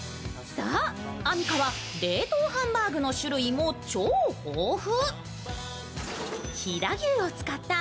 そう、アミカは冷凍ハンバーグの種類も超豊富。